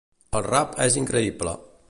El rap és increïble.